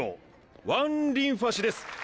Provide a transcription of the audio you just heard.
ワン・リンファ氏です。